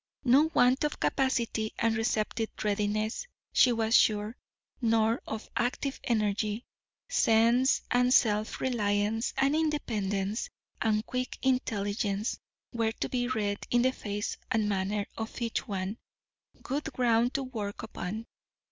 No want of capacity and receptive readiness, she was sure; nor of active energy. Sense, and self reliance, and independence, and quick intelligence, were to be read in the face and manner of each one; good ground to work upon.